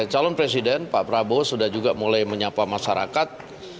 calon presiden pak prabowo sudah juga mulai menyapa masyarakat